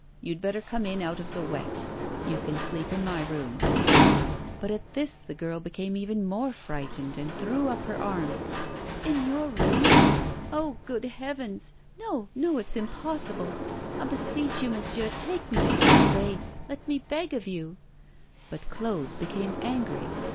You had better come in out of the wet. You can sleep in my rooms.' But at this the girl became even more frightened, and threw up her arms. 'In your rooms? Oh! good heavens. No, no; it's impossible. I beseech you, monsieur, take me to Passy. Let me beg of you.' But Claude became angry.